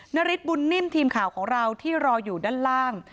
ฤทธบุญนิ่มทีมข่าวของเราที่รออยู่ด้านล่าง